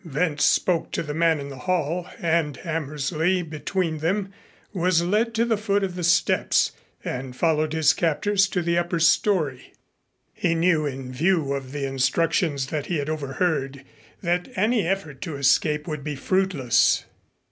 Wentz spoke to the man in the hall and Hammersley, between them, was led to the foot of the steps, and followed his captors to the upper story. He knew, in view of the instructions that he had overheard, that any effort to escape would be fruitless.